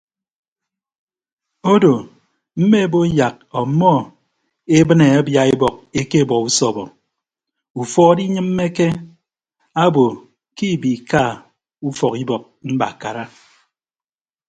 Odo mme bo yak ọmmọ ebịne abia ibọk ekebọ usọbọ ufuọd inyịmmeke abo ke ibiika ufọk ibọk mbakara.